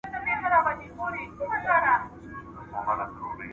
عرضه د تولیدونکي وړاندیز ښيي.